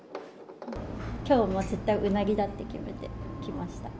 きょうはもう絶対、うなぎだって決めてきました。